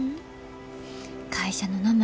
会社の名前